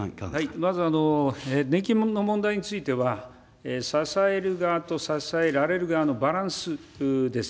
まず年金の問題については、支える側と支えられる側のバランスです。